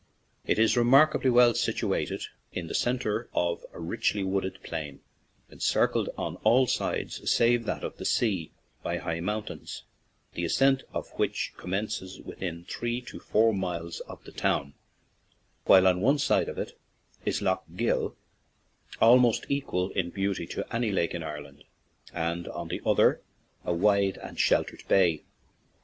It is remarkably well situated in the centre of a richly wooded plain, encircled on all sides, save that of the sea, by high moun tains, the ascent of which commences within three to four miles of the town, while on one side of it is Lough Gill, al most equal in beauty to any lake in Ire land, and on the other a wide and shel tered bay.